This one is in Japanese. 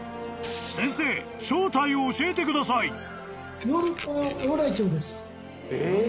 ［先生正体を教えてください］